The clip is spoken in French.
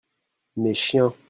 Mes chiens.